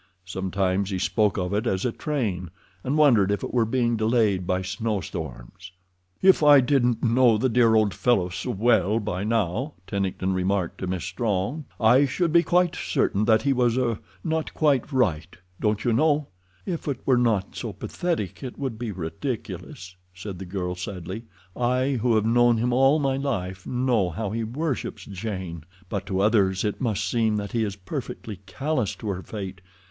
Sometimes he spoke of it as a train, and wondered if it were being delayed by snowstorms. "If I didn't know the dear old fellow so well by now," Tennington remarked to Miss Strong, "I should be quite certain that he was—er—not quite right, don't you know." "If it were not so pathetic it would be ridiculous," said the girl, sadly. "I, who have known him all my life, know how he worships Jane; but to others it must seem that he is perfectly callous to her fate.